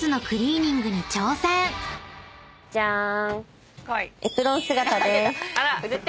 ジャーン！